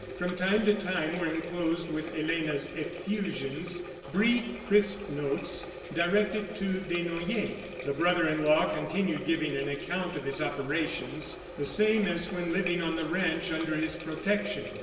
From time to time were enclosed with Elena's effusions brief, crisp notes directed to Desnoyers. The brother in law continued giving an account of his operations the same as when living on the ranch under his protection.